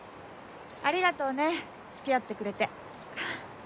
ありがとうね付き合ってくれて。